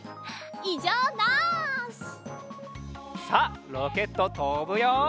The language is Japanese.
さあロケットとぶよ。